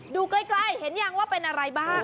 ดูใกล้เห็นยังว่าเป็นอะไรบ้าง